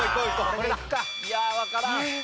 いやわからん！